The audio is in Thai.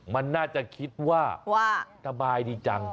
มันน่าจะคิดว่าสบายดีจัง